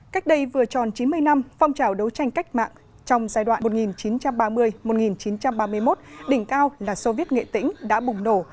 cách đây vừa tròn chín mươi năm phong trào đấu tranh cách mạng trong giai đoạn một nghìn chín trăm ba mươi một nghìn chín trăm ba mươi một đỉnh cao là soviet nghệ tĩnh đã bùng nổ